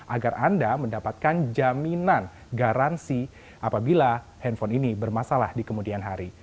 agar anda mendapatkan jaminan garansi apabila handphone ini bermasalah di kemudian hari